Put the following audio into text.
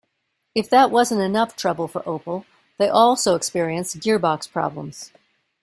If that wasn't enough trouble for Opel, they also experienced gearbox problems.